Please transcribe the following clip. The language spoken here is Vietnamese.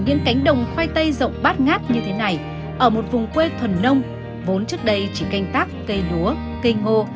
một bát ngát như thế này ở một vùng quê thuần nông vốn trước đây chỉ canh tác cây lúa cây ngô